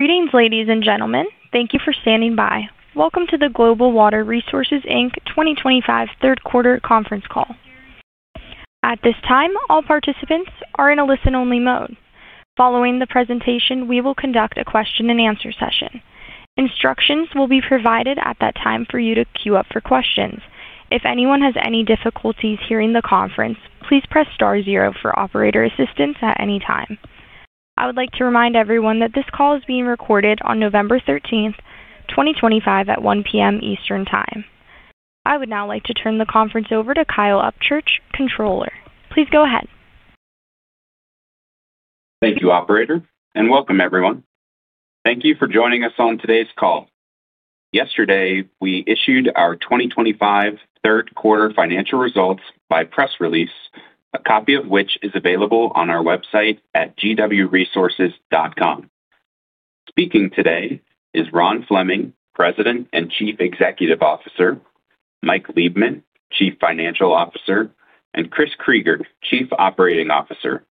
Greetings, ladies and gentlemen. Thank you for standing by. Welcome to the Global Water Resources 2025 third quarter conference call. At this time, all participants are in a listen-only mode. Following the presentation, we will conduct a question-and-answer session. Instructions will be provided at that time for you to queue up for questions. If anyone has any difficulties hearing the conference, please press star zero for operator assistance at any time. I would like to remind everyone that this call is being recorded on November 13th, 2025 at 1:00 P.M. Eastern Time. I would now like to turn the conference over to Kyle Upchurch, Controller. Please go ahead. Thank you, Operator, and welcome, everyone. Thank you for joining us on today's call. Yesterday, we issued our 2025 third quarter financial results by press release, a copy of which is available on our website at gwresources.com. Speaking today is Ron Fleming, President and Chief Executive Officer, Mike Liebman, Chief Financial Officer, and Chris Krygier, Chief Operating Officer.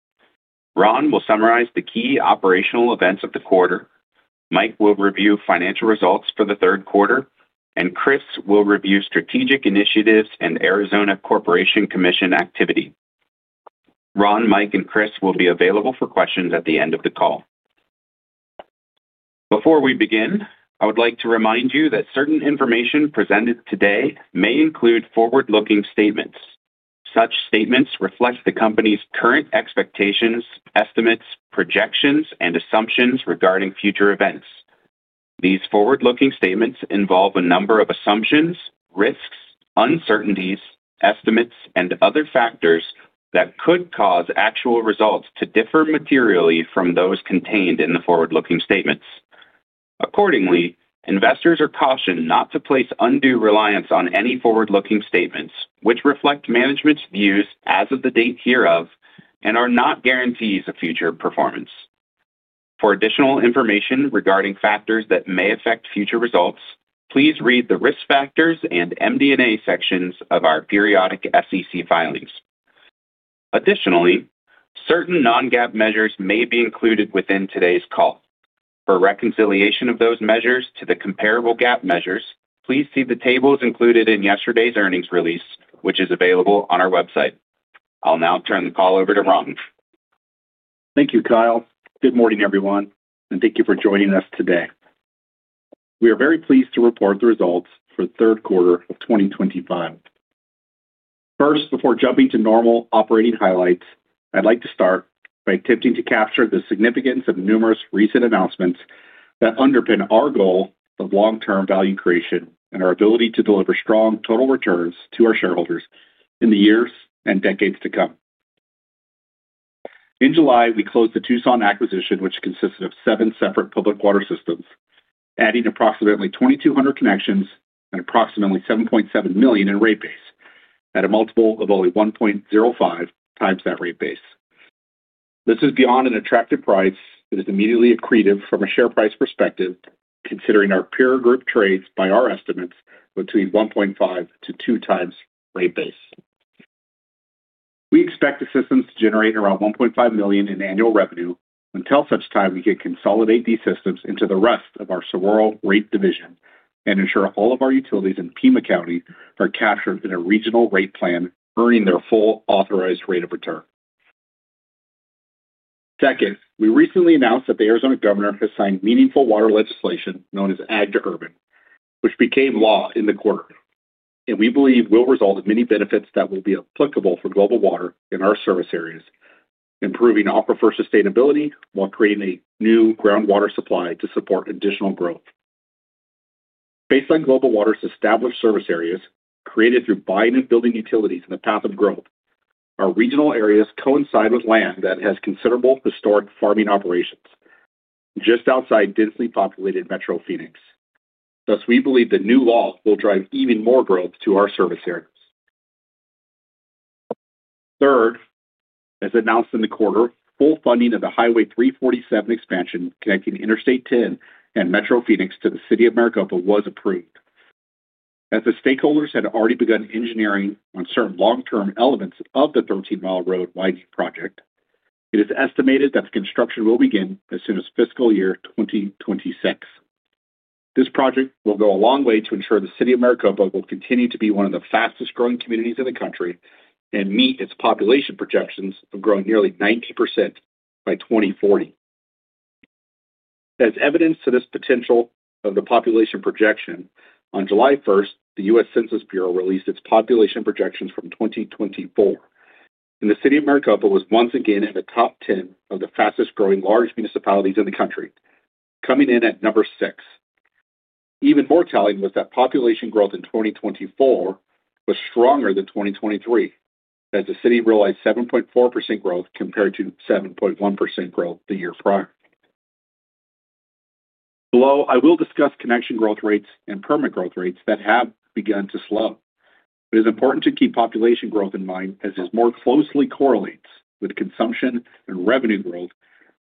Ron will summarize the key operational events of the quarter. Mike will review financial results for the third quarter, and Chris will review strategic initiatives and Arizona Corporation Commission activity. Ron, Mike, and Chris will be available for questions at the end of the call. Before we begin, I would like to remind you that certain information presented today may include forward-looking statements. Such statements reflect the company's current expectations, estimates, projections, and assumptions regarding future events. These forward-looking statements involve a number of assumptions, risks, uncertainties, estimates, and other factors that could cause actual results to differ materially from those contained in the forward-looking statements. Accordingly, investors are cautioned not to place undue reliance on any forward-looking statements, which reflect management's views as of the date hereof and are not guarantees of future performance. For additional information regarding factors that may affect future results, please read the risk factors and MD&A sections of our periodic SEC filings. Additionally, certain non-GAAP measures may be included within today's call. For reconciliation of those measures to the comparable GAAP measures, please see the tables included in yesterday's earnings release, which is available on our website. I'll now turn the call over to Ron. Thank you, Kyle. Good morning, everyone, and thank you for joining us today. We are very pleased to report the results for the third quarter of 2025. First, before jumping to normal operating highlights, I'd like to start by attempting to capture the significance of numerous recent announcements that underpin our goal of long-term value creation and our ability to deliver strong total returns to our shareholders in the years and decades to come. In July, we closed the Tucson acquisition, which consisted of seven separate public water systems, adding approximately 2,200 connections and approximately $7.7 million in rate base at a multiple of only 1.05 times that rate base. This is beyond an attractive price that is immediately accretive from a share price perspective, considering our peer group trades by our estimates between 1.5-2 times rate base. We expect the systems to generate around $1.5 million in annual revenue. Until such time, we can consolidate these systems into the rest of our Sororal rate division and ensure all of our utilities in Pima County are captured in a regional rate plan, earning their full authorized rate of return. Second, we recently announced that the Arizona Governor has signed meaningful water legislation known as Ag to Urban, which became law in the quarter, and we believe will result in many benefits that will be applicable for Global Water in our service areas, improving aquifer sustainability while creating a new groundwater supply to support additional growth. Based on Global Water's established service areas created through buying and building utilities in the path of growth, our regional areas coincide with land that has considerable historic farming operations just outside densely populated Metro Phoenix. Thus, we believe the new law will drive even more growth to our service areas. Third, as announced in the quarter, full funding of the Highway 347 expansion connecting Interstate 10 and Metro Phoenix to the City of Maricopa was approved. As the stakeholders had already begun engineering on certain long-term elements of the 13 mi road widening project, it is estimated that the construction will begin as soon as fiscal year 2026. This project will go a long way to ensure the City of Maricopa will continue to be one of the fastest-growing communities in the country and meet its population projections of growing nearly 90% by 2040. As evidence to this potential of the population projection, on July 1st, the U.S. Census Bureau released its population projections from 2024, and the City of Maricopa was once again in the top 10 of the fastest-growing large municipalities in the country, coming in at number six. Even more telling was that population growth in 2024 was stronger than 2023, as the city realized 7.4% growth compared to 7.1% growth the year prior. Below, I will discuss connection growth rates and permit growth rates that have begun to slow. It is important to keep population growth in mind, as this more closely correlates with consumption and revenue growth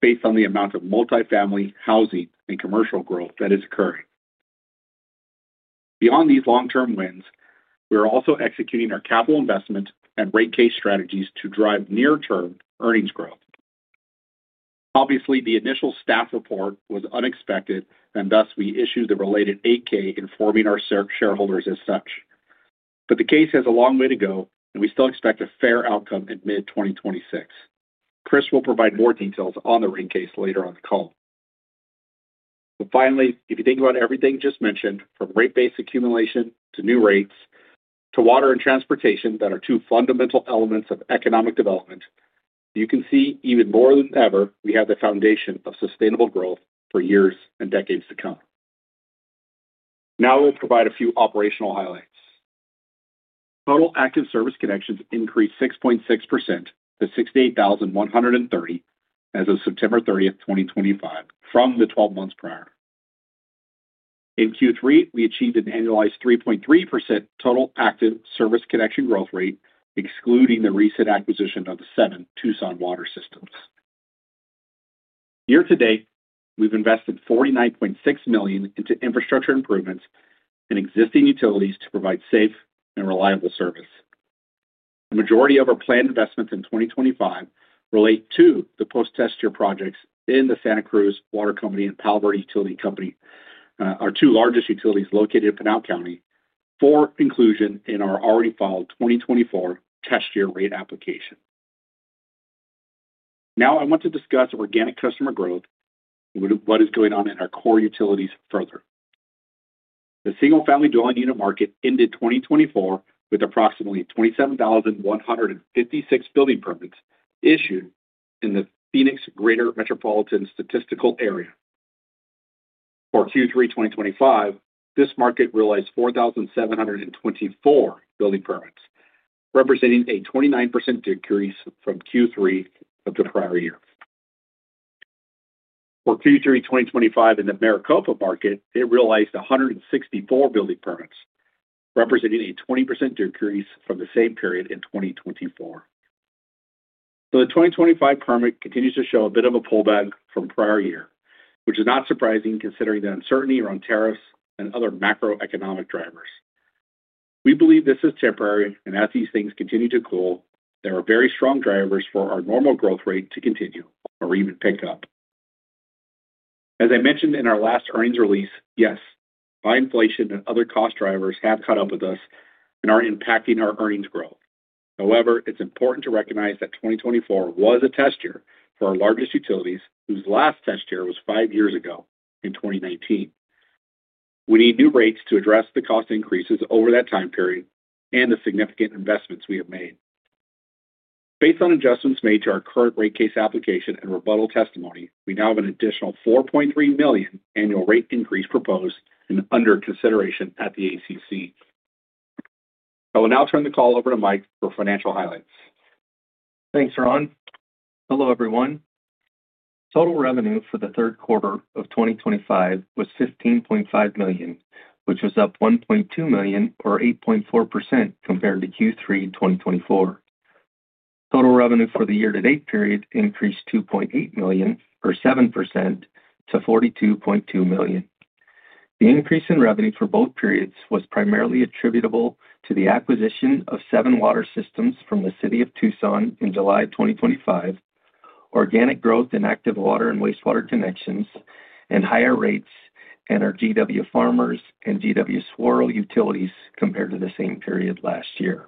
based on the amount of multifamily housing and commercial growth that is occurring. Beyond these long-term wins, we are also executing our capital investment and rate case strategies to drive near-term earnings growth. Obviously, the initial staff report was unexpected, and thus we issued the related 8-K informing our shareholders as such. The case has a long way to go, and we still expect a fair outcome in mid-2026. Chris will provide more details on the rate case later on the call. Finally, if you think about everything just mentioned, from rate base accumulation to new rates to water and transportation that are two fundamental elements of economic development, you can see even more than ever we have the foundation of sustainable growth for years and decades to come. Now I will provide a few operational highlights. Total active service connections increased 6.6% to 68,130 as of September 30, 2025, from the 12 months prior. In Q3, we achieved an annualized 3.3% total active service connection growth rate, excluding the recent acquisition of the seven Tucson water systems. Year to date, we've invested $49.6 million into infrastructure improvements and existing utilities to provide safe and reliable service. The majority of our planned investments in 2025 relate to the post-test year projects in the Santa Cruz Water Company and Palo Verde Utilities Company, our two largest utilities located in Pinal County, for inclusion in our already filed 2024 test year rate application. Now I want to discuss organic customer growth and what is going on in our core utilities further. The single-family dwelling unit market ended 2024 with approximately 27,156 building permits issued in the Phoenix Greater Metropolitan Statistical Area. For Q3 2025, this market realized 4,724 building permits, representing a 29% decrease from Q3 of the prior year. For Q3 2025 in the Maricopa market, it realized 164 building permits, representing a 20% decrease from the same period in 2024. The 2025 permit continues to show a bit of a pullback from prior year, which is not surprising considering the uncertainty around tariffs and other macroeconomic drivers. We believe this is temporary, and as these things continue to cool, there are very strong drivers for our normal growth rate to continue or even pick up. As I mentioned in our last earnings release, yes, high inflation and other cost drivers have caught up with us and are impacting our earnings growth. However, it's important to recognize that 2024 was a test year for our largest utilities, whose last test year was five years ago in 2019. We need new rates to address the cost increases over that time period and the significant investments we have made. Based on adjustments made to our current rate case application and rebuttal testimony, we now have an additional $4.3 million annual rate increase proposed and under consideration at the ACC. I will now turn the call over to Mike for financial highlights. Thanks, Ron. Hello, everyone. Total revenue for the third quarter of 2025 was $15.5 million, which was up $1.2 million or 8.4% compared to Q3 2024. Total revenue for the year-to-date period increased $2.8 million or 7% to $42.2 million. The increase in revenue for both periods was primarily attributable to the acquisition of seven water systems from the City of Tucson in July 2025, organic growth in active water and wastewater connections, and higher rates at our GW Farmers and GW Sororal Utilities compared to the same period last year.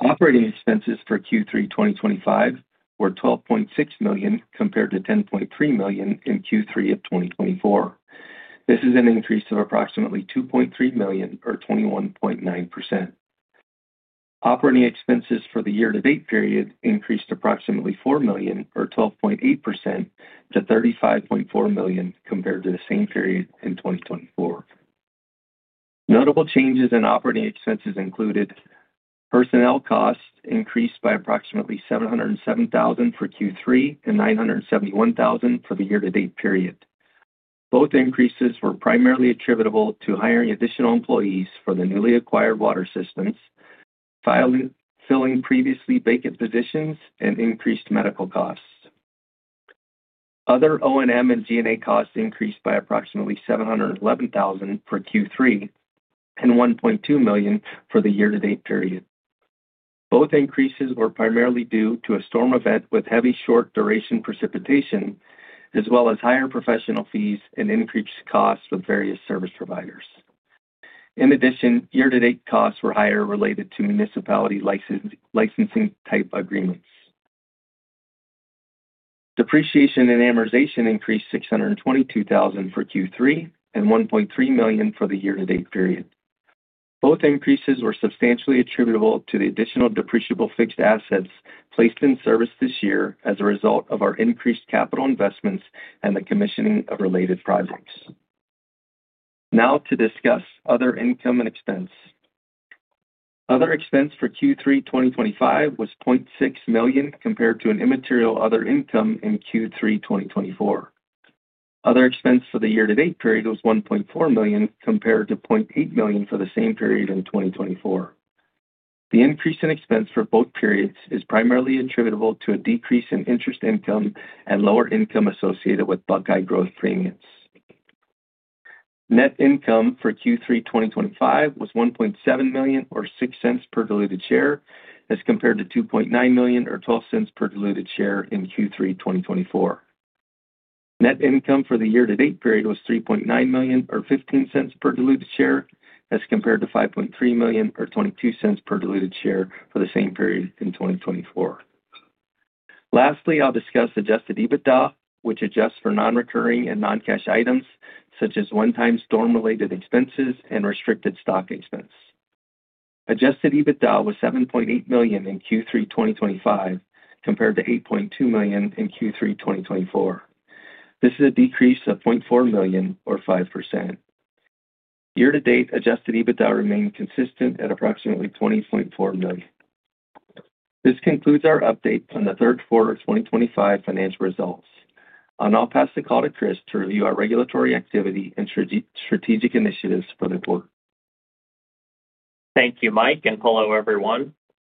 Operating expenses for Q3 2025 were $12.6 million compared to $10.3 million in Q3 2024. This is an increase of approximately $2.3 million or 21.9%. Operating expenses for the year-to-date period increased approximately $4 million or 12.8% to $35.4 million compared to the same period in 2024. Notable changes in operating expenses included personnel costs increased by approximately $707,000 for Q3 and $971,000 for the year-to-date period. Both increases were primarily attributable to hiring additional employees for the newly acquired water systems, filling previously vacant positions, and increased medical costs. Other O&M and G&A costs increased by approximately $711,000 for Q3 and $1.2 million for the year-to-date period. Both increases were primarily due to a storm event with heavy short-duration precipitation, as well as higher professional fees and increased costs with various service providers. In addition, year-to-date costs were higher related to municipality licensing type agreements. Depreciation and amortization increased $622,000 for Q3 and $1.3 million for the year-to-date period. Both increases were substantially attributable to the additional depreciable fixed assets placed in service this year as a result of our increased capital investments and the commissioning of related projects. Now to discuss other income and expense. Other expense for Q3 2025 was $0.6 million compared to an immaterial other income in Q3 2024. Other expense for the year-to-date period was $1.4 million compared to $0.8 million for the same period in 2024. The increase in expense for both periods is primarily attributable to a decrease in interest income and lower income associated with Buckeye growth premiums. Net income for Q3 2025 was $1.7 million or $0.06 per diluted share as compared to $2.9 million or $0.12 per diluted share in Q3 2024. Net income for the year-to-date period was $3.9 million or $0.15 per diluted share as compared to $5.3 million or $0.22 per diluted share for the same period in 2024. Lastly, I'll discuss adjusted EBITDA, which adjusts for non-recurring and non-cash items such as one-time storm-related expenses and restricted stock expense. Adjusted EBITDA was $7.8 million in Q3 2025 compared to $8.2 million in Q3 2024. This is a decrease of $0.4 million or 5%. Year-to-date adjusted EBITDA remained consistent at approximately $20.4 million. This concludes our update on the third quarter 2025 financial results. I'll now pass the call to Chris to review our regulatory activity and strategic initiatives for the quarter. Thank you, Mike, and hello, everyone.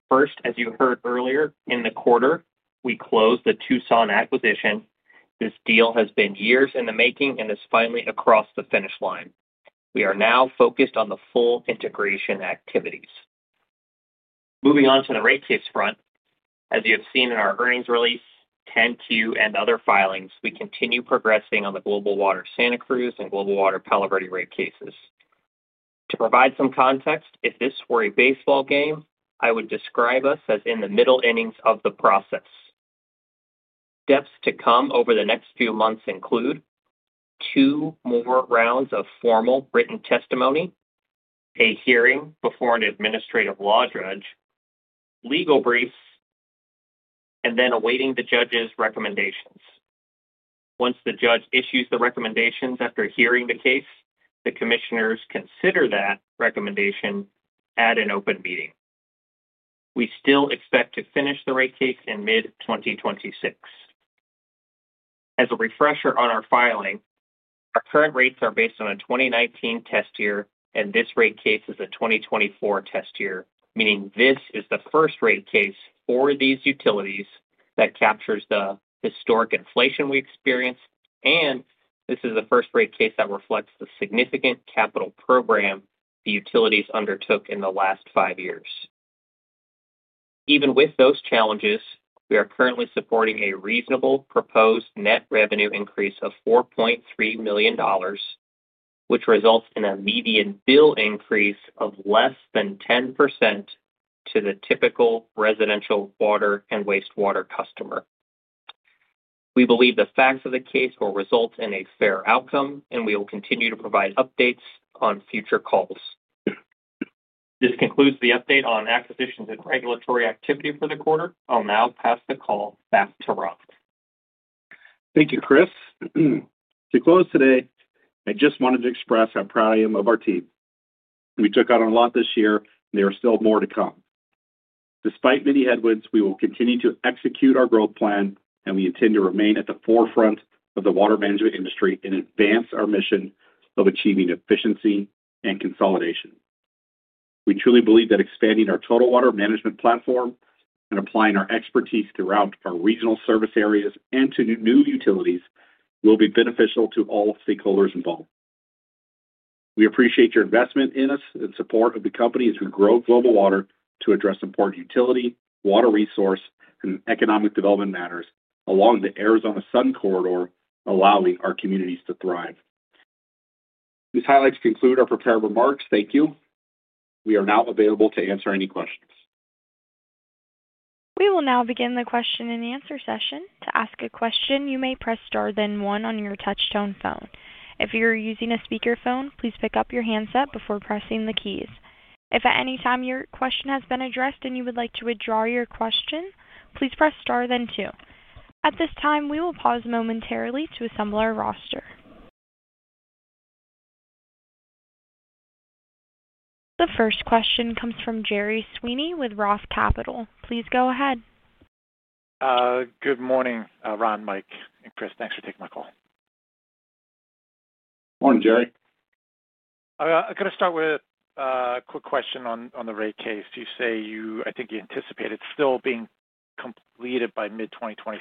First, as you heard earlier, in the quarter, we closed the Tucson acquisition. This deal has been years in the making and is finally across the finish line. We are now focused on the full integration activities. Moving on to the rate case front, as you have seen in our earnings release, 10-Q, and other filings, we continue progressing on the Global Water Santa Cruz and Global Water Palo Verde rate cases. To provide some context, if this were a baseball game, I would describe us as in the middle innings of the process. Steps to come over the next few months include two more rounds of formal written testimony, a hearing before an administrative law judge, legal briefs, and then awaiting the judge's recommendations. Once the judge issues the recommendations after hearing the case, the commissioners consider that recommendation at an open meeting. We still expect to finish the rate case in mid-2026. As a refresher on our filing, our current rates are based on a 2019 test year, and this rate case is a 2024 test year, meaning this is the first rate case for these utilities that captures the historic inflation we experienced, and this is the first rate case that reflects the significant capital program the utilities undertook in the last five years. Even with those challenges, we are currently supporting a reasonable proposed net revenue increase of $4.3 million, which results in a median bill increase of less than 10% to the typical residential water and wastewater customer. We believe the facts of the case will result in a fair outcome, and we will continue to provide updates on future calls. This concludes the update on acquisitions and regulatory activity for the quarter. I'll now pass the call back to Ron. Thank you, Chris. To close today, I just wanted to express how proud I am of our team. We took on a lot this year, and there are still more to come. Despite many headwinds, we will continue to execute our growth plan, and we intend to remain at the forefront of the water management industry and advance our mission of achieving efficiency and consolidation. We truly believe that expanding our total water management platform and applying our expertise throughout our regional service areas and to new utilities will be beneficial to all stakeholders involved. We appreciate your investment in us and support of the company as we grow Global Water to address important utility, water resource, and economic development matters along the Arizona-Sun Corridor, allowing our communities to thrive. These highlights conclude our prepared remarks. Thank you. We are now available to answer any questions. We will now begin the question-and-answer session. To ask a question, you may press star then one on your touch-tone phone. If you're using a speakerphone, please pick up your handset before pressing the keys. If at any time your question has been addressed and you would like to withdraw your question, please press star then two. At this time, we will pause momentarily to assemble our roster. The first question comes from Jerry Sweeney with Roth Capital. Please go ahead. Good morning, Ron, Mike, and Chris. Thanks for taking my call. Morning, Jerry. I'm going to start with a quick question on the rate case. You say you, I think you anticipated still being completed by mid-2026.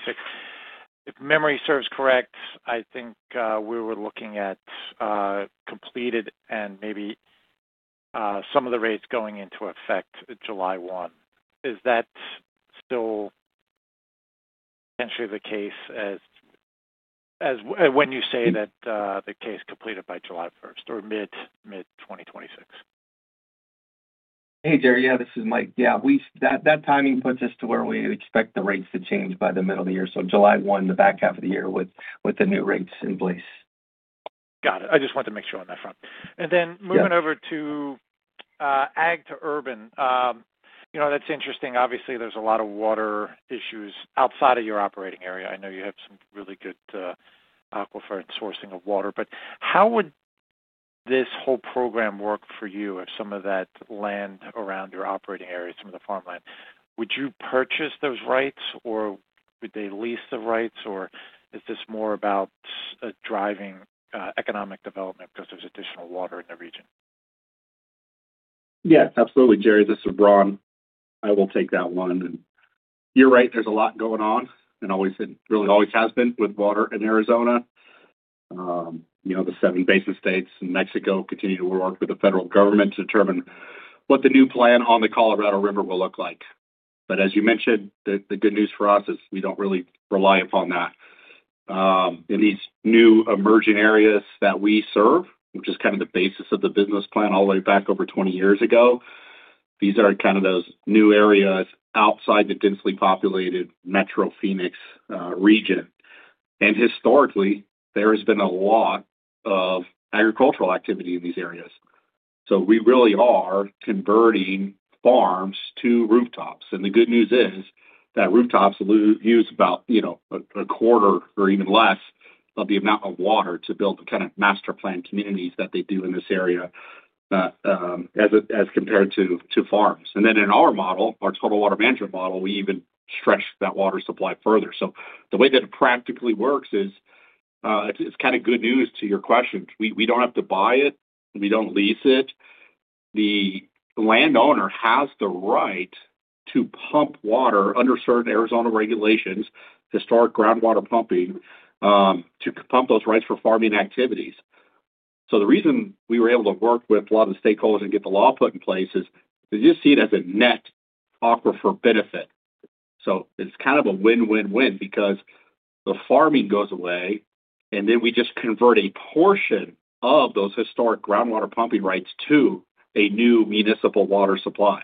If memory serves correct, I think we were looking at completed and maybe some of the rates going into effect July 1. Is that still potentially the case when you say that the case completed by July 1 or mid-2026? Hey, Jerry. Yeah, this is Mike. Yeah, that timing puts us to where we expect the rates to change by the middle of the year. July 1, the back half of the year with the new rates in place. Got it. I just wanted to make sure on that front. Then moving over to ag to urban. That's interesting. Obviously, there's a lot of water issues outside of your operating area. I know you have some really good aquifer and sourcing of water. How would this whole program work for you if some of that land around your operating area, some of the farmland? Would you purchase those rights, or would they lease the rights, or is this more about driving economic development because there's additional water in the region? Yes, absolutely. Jerry, this is Ron. I will take that one. You're right. There's a lot going on and really always has been with water in Arizona. The seven basin states and Mexico continue to work with the federal government to determine what the new plan on the Colorado River will look like. As you mentioned, the good news for us is we don't really rely upon that. In these new emerging areas that we serve, which is kind of the basis of the business plan all the way back over 20 years ago, these are kind of those new areas outside the densely populated Metro Phoenix region. Historically, there has been a lot of agricultural activity in these areas. We really are converting farms to rooftops. The good news is that rooftops use about a quarter or even less of the amount of water to build the kind of master plan communities that they do in this area as compared to farms. In our model, our total water management model, we even stretch that water supply further. The way that it practically works is it's kind of good news to your question. We don't have to buy it. We don't lease it. The landowner has the right to pump water under certain Arizona regulations, historic groundwater pumping, to pump those rights for farming activities. The reason we were able to work with a lot of the stakeholders and get the law put in place is they just see it as a net aquifer benefit. It's kind of a win-win-win because the farming goes away, and then we just convert a portion of those historic groundwater pumping rights to a new municipal water supply.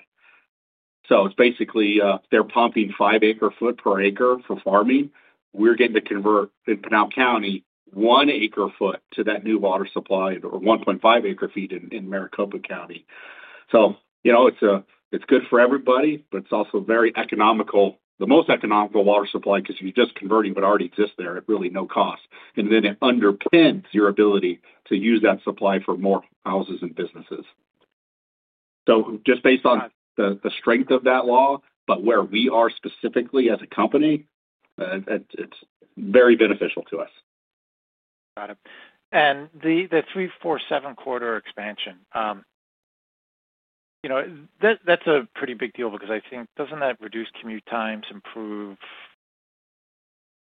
It's basically they're pumping 5 acre-foot per acre for farming. We're getting to convert in Pinal County 1 acre-foot to that new water supply or 1.5 acre-foot in Maricopa County. It's good for everybody, but it's also very economical, the most economical water supply because if you're just converting what already exists there at really no cost. It underpins your ability to use that supply for more houses and businesses. Just based on the strength of that law, where we are specifically as a company, it's very beneficial to us. Got it. The 347 quarter expansion, that's a pretty big deal because I think doesn't that reduce commute times, improve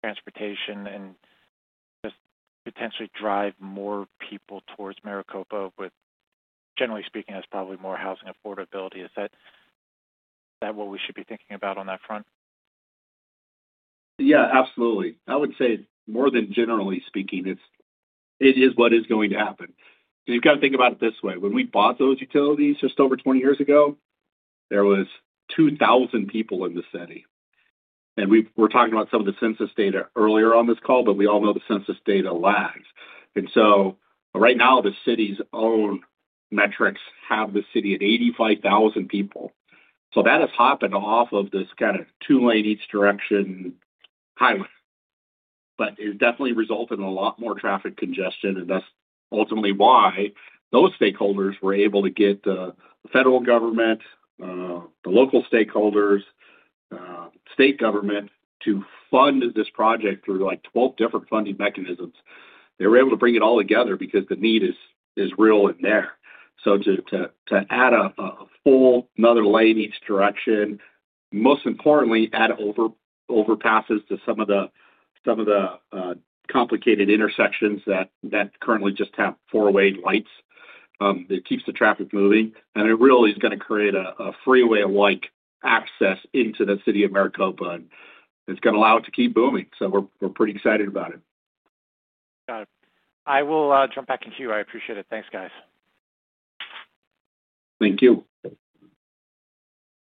transportation, and just potentially drive more people towards Maricopa with, generally speaking, there's probably more housing affordability. Is that what we should be thinking about on that front? Yeah, absolutely. I would say more than generally speaking, it is what is going to happen. You've got to think about it this way. When we bought those utilities just over 20 years ago, there were 2,000 people in the city. And we were talking about some of the census data earlier on this call, but we all know the census data lags. Right now, the city's own metrics have the city at 85,000 people. That has happened off of this kind of two-lane each direction highway, but it has definitely resulted in a lot more traffic congestion. That is ultimately why those stakeholders were able to get the federal government, the local stakeholders, state government to fund this project through like 12 different funding mechanisms. They were able to bring it all together because the need is real in there. To add a full another lane each direction, most importantly, add overpasses to some of the complicated intersections that currently just have four-way lights. It keeps the traffic moving. It really is going to create a freeway-like access into the city of Maricopa. It is going to allow it to keep booming. We are pretty excited about it. Got it. I will jump back in Q. I appreciate it. Thanks, guys. Thank you.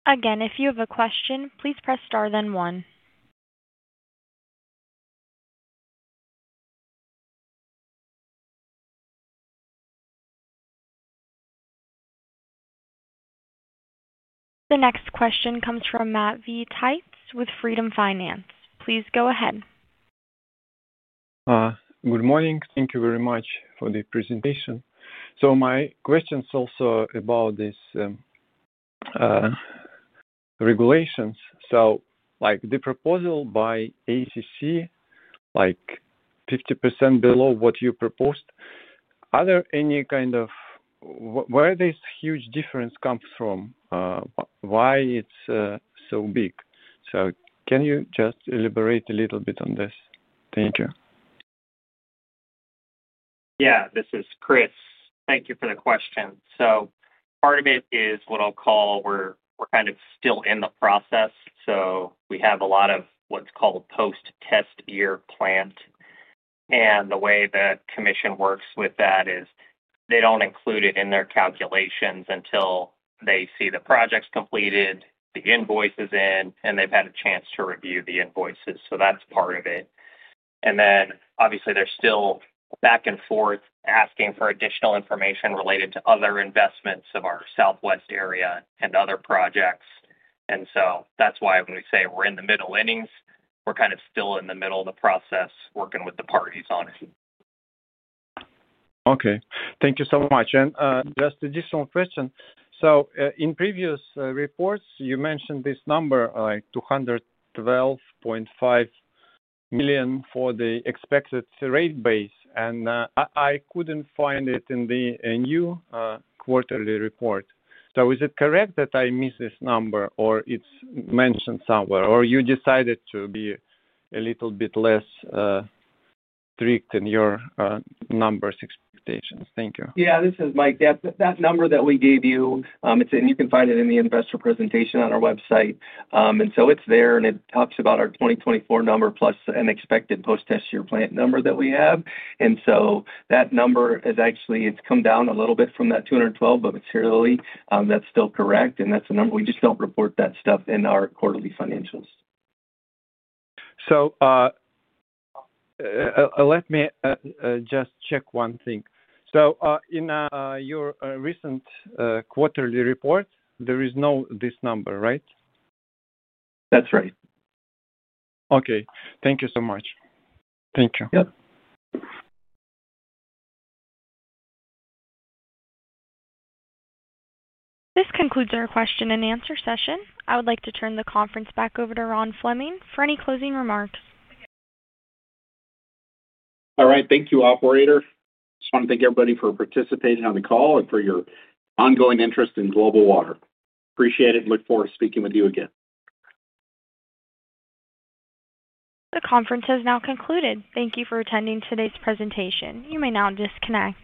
Again, if you have a question, please press star then one. The next question comes from Matt V. Tytes with Freedom Finance. Please go ahead. Good morning. Thank you very much for the presentation. My question is also about these regulations. The proposal by ACC, like 50% below what you proposed, are there any kind of where this huge difference comes from, why it's so big? Can you just elaborate a little bit on this? Thank you. Yeah, this is Chris. Thank you for the question. Part of it is what I'll call we're kind of still in the process. We have a lot of what's called post-test year plant. The way the commission works with that is they don't include it in their calculations until they see the projects completed, the invoices in, and they've had a chance to review the invoices. That's part of it. Obviously, they're still back and forth asking for additional information related to other investments of our southwest area and other projects. That's why when we say we're in the middle innings, we're kind of still in the middle of the process working with the parties on it. Okay. Thank you so much. Just additional question. In previous reports, you mentioned this number, like $212.5 million for the expected rate base. I could not find it in the new quarterly report. Is it correct that I missed this number, or it is mentioned somewhere, or you decided to be a little bit less strict in your numbers expectations? Thank you. Yeah, this is Mike. That number that we gave you, and you can find it in the investor presentation on our website. It is there, and it talks about our 2024 number plus an expected post-test year plant number that we have. That number has actually come down a little bit from that $212, but materially, that is still correct. That is the number. We just do not report that stuff in our quarterly financials. Let me just check one thing. In your recent quarterly report, there is no this number, right? That's right. Okay. Thank you so much. Thank you. Yep. This concludes our question-and-answer session. I would like to turn the conference back over to Ron Fleming for any closing remarks. All right. Thank you, operator. Just want to thank everybody for participating on the call and for your ongoing interest in Global Water. Appreciate it. Look forward to speaking with you again. The conference has now concluded. Thank you for attending today's presentation. You may now disconnect.